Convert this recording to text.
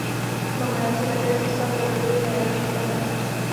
Nominaci také získal v kategorii nejlepší kamera.